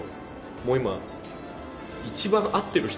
もう今。